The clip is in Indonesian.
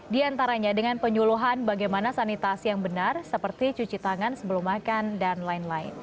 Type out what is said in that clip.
di antaranya dengan penyuluhan bagaimana sanitasi yang benar seperti cuci tangan sebelum makan dan lain lain